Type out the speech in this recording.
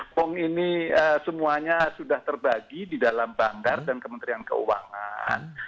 pong ini semuanya sudah terbagi di dalam banggar dan kementerian keuangan